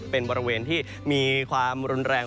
เป็นบริเวณที่มีความรุนแรง